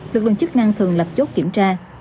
lực lượng chức năng thường lập chốt kiểm tra